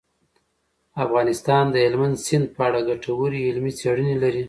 افغانستان د هلمند سیند په اړه ګټورې علمي څېړنې لري.